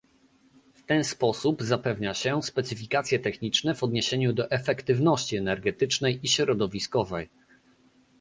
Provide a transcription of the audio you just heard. W ten sposób zapewnia się specyfikacje techniczne w odniesieniu do efektywności energetycznej i środowiskowej